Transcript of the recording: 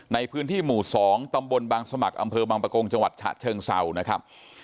ในพื้นที่หมู่๒ตำบลบางสมัครอำเภอบางประกงจังหวัดฉะเชิงเศร้านะครับ